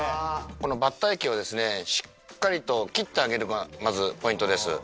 このバッター液をしっかりと切ってあげるのがまずポイントです。